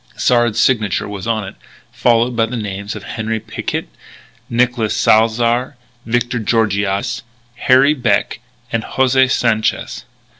Sard's signature was on it, followed by the names of Henri Picquet, Nicolas Salzar, Victor Georgiades, Harry Beck, and José Sanchez.